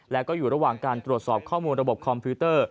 และก็อยู่ระหว่างการตรวจสอบข้อมูลระบบคอมพิวเตอร์